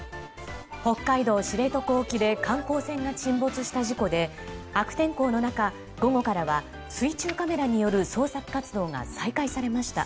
北海道知床沖で観光船が沈没した事故で悪天候の中、午後からは水中カメラによる捜索活動が再開されました。